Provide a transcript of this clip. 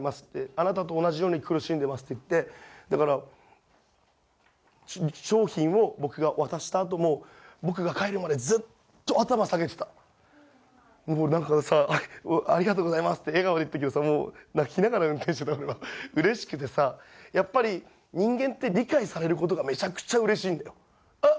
「あなたと同じように苦しんでます」って言ってだから商品を僕が渡したあとも僕が帰るまでずっと頭下げてたもう何かさ「ありがとうございます」って笑顔で言ったけどさもう泣きながら運転してた俺は嬉しくてさやっぱり人間って理解されることがめちゃくちゃ嬉しいんだよあっ